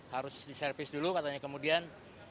harus diservis dulu katanya kemudian